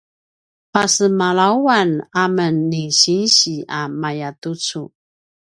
pasemalawan amen ni sinsi a mayatucu